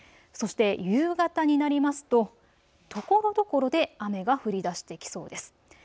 そして夕方になりますとところどころで雨が降りだしてきそうです。